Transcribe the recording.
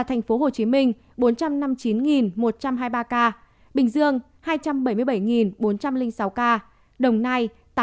thành phố hồ chí minh bốn trăm năm mươi chín một trăm hai mươi ba ca bình dương hai trăm bảy mươi bảy bốn trăm linh sáu ca đồng nai tám mươi ba ba trăm tám mươi năm ca